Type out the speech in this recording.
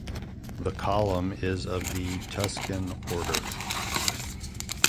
The column is of the Tuscan order.